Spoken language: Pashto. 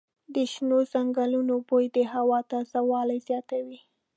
د شنو ځنګلونو بوی د هوا تازه والی زیاتوي.